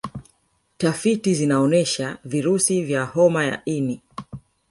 Tafiti zinaonyesha virusi vya homa ya ini